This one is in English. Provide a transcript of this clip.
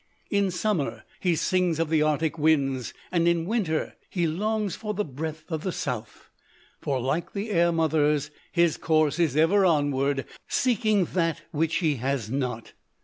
In summer he sings of the Arctic winds; and in winter, he longs for the breath of the south; for like the air mothers, his course is ever onward, seeking that which he has not.